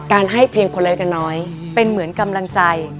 การให้เพียงคนเล็กกันน้อยเป็นเหมือนกำลังใจ